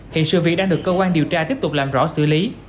hiện sự việc đang được cơ quan điều tra tiếp tục làm rõ xử lý